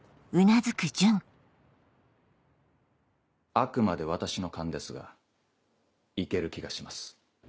あくまで私の勘ですが行ける気がします。